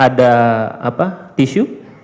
ada apa tisu